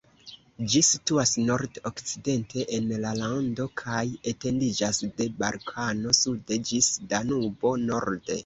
Ĝi situas nord-okcidente en la lando kaj etendiĝas de Balkano sude ĝis Danubo norde.